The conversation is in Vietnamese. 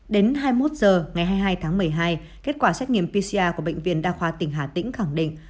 đến hai mươi một h ngày hai mươi hai tháng một mươi hai kết quả xét nghiệm pcr của bệnh viện đa khoa tỉnh hà tĩnh khẳng định